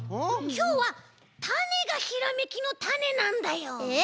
きょうはたねがひらめきのタネなんだよ。え？